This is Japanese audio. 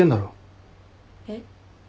えっ？